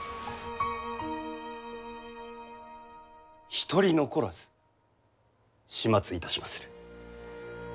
一人残らず始末いたしまする。